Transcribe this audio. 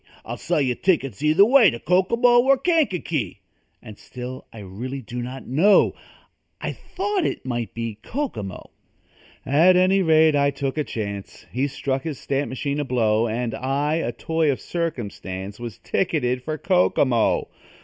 I'll sell you tickets either way To Kokomo or Kankakee." And still I really did not know I thought it might be Kokomo. At any rate, I took a chance; He struck his stamp machine a blow And I, a toy of circumstance, Was ticketed for Kokomo.